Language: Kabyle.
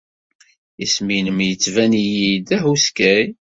Isem-nnem yettban-iyi-d ahuskay.